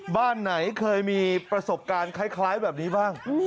บ้านไหนเคยมีประสบการณ์คล้ายแบบนี้บ้าง